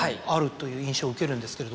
という印象を受けるんですけれども。